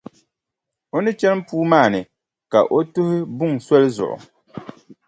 O ni chani puu maa ni, ka o tuhi buŋa soli zuɣu.